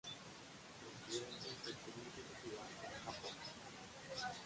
Recibieron atención significativa en Japón.